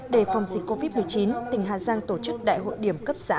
đề phòng dịch covid một mươi chín tỉnh hà giang tổ chức đại hội điểm cấp xã